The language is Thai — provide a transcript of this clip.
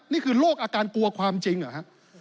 นี่คือโลกอาการกลัวความจริงหรือครับ